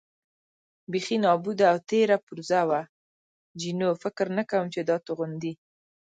بېخي نابوده او تېره پرزه وه، جینو: فکر نه کوم چې دا توغندي.